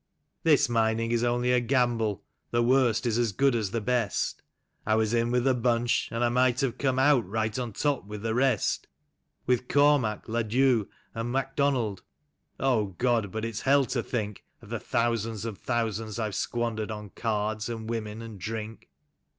" This mining is only a gamble, the worst is as good as the best; I was in with the bunch and I might have come out right on top with the rest; With Cormack, Ladue and ilacdonald — God ! but it's hell to think Of the thousands and thousands I've squandered on cards and women and drink.